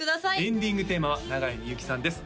エンディングテーマは永井みゆきさんです